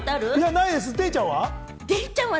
ないです、デイちゃんは？